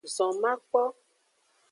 Zon makpo.